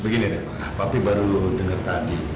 begini deh papi baru denger tadi